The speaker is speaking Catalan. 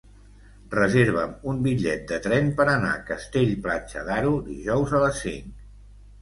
Reserva'm un bitllet de tren per anar a Castell-Platja d'Aro dijous a les cinc.